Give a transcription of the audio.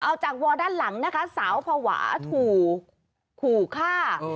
เอาจากวอลด้านหลังนะคะสาวภาวะถูกขู่ฆ่า